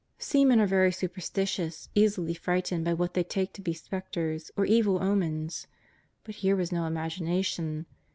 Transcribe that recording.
Seamen are very superstitious, easily frightened by what they take to be spectres, or evil omens. But here was no imagination.